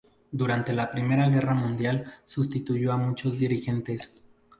Durante la Primera Guerra Mundial sustituyó a muchos dirigentes.